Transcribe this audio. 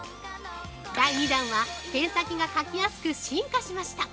第２弾は、ペン先が書きやすく進化しました。